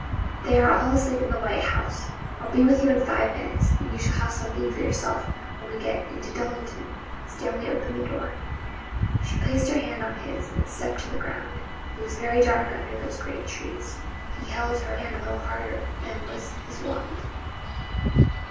They are all asleep in the "White House." I'll be with you in five minutes, and you shall have something for yourself when we get into Dollington.' Stanley opened the door. She placed her hand on his, and stepped to the ground. It was very dark under those great trees. He held her hand a little harder than was his wont.